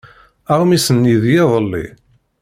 Aɣmis-nni n yiḍelli.